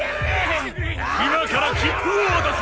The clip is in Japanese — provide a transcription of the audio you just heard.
今から切符を渡す！